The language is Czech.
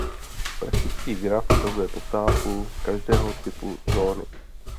Praktický graf ukazuje poptávku každého typu zóny.